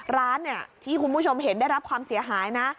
ร้านที่คุณผู้ชมเห็นได้รับความเสียหายนะ